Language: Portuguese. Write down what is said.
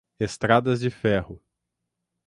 estradas de ferro